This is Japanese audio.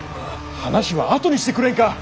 話は後にしてくれんか！